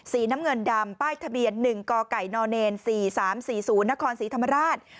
สีน้ำเงินดำป้ายทะเบียนหนึ่งกไก่นเนรสี่สามสี่ศูนย์นครสีธรรมราช